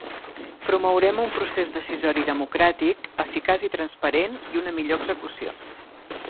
Promourem un procés decisori democràtic, eficaç i transparent i una millor execució.